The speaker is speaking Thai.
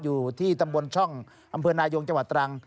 อยู่ที่ตำบลช่องอำเภอนายงจังหวัดตรัง